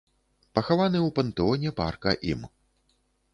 Пахаваны ў пантэоне парка ім.